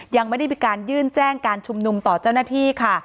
ยังไม่ได้มีการยื่นแจ้งการชุมนุมต่อเจ้าหน้าที่ค่ะ